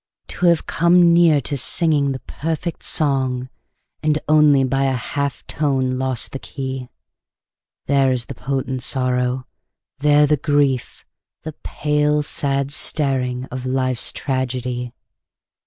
To have come near to sing the perfect song And only by a half tone lost the key, There is the potent sorrow, there the grief, The pale, sad staring of life's tragedy.